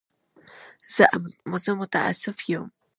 زه متأسف یم.